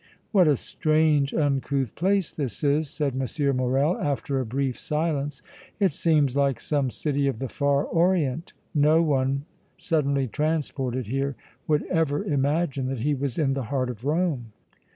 "What a strange, uncouth place this is," said M. Morrel, after a brief silence. "It seems like some city of the far orient. No one, suddenly transported here, would ever imagine that he was in the heart of Rome."